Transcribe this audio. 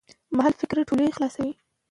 د محلي فرهنګي ټولنې د ملګرتیا له لارې.